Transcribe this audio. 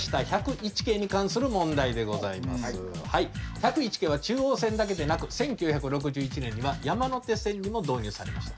１０１系は中央線だけでなく１９６１年には山手線にも導入されました。